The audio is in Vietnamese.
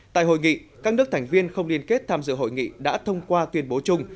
tại hội nghị các nước thành viên không liên kết tham dự hội nghị đã thông qua tuyên bố chung